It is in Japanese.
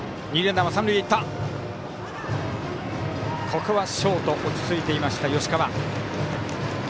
ここはショート落ち着いていました吉川。